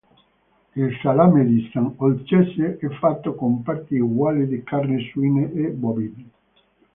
Il salame di Sant'Olcese è fatto con parti uguali di carni suine e bovine.